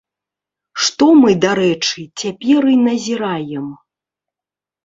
Што мы, дарэчы, цяпер і назіраем.